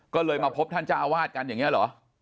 ก็เลยมาพบท่านเจ้าอาวาสกันอย่างนี้เหรอ